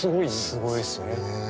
すごいっすね。